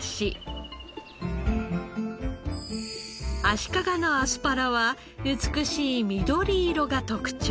足利のアスパラは美しい緑色が特長。